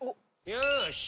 「よし。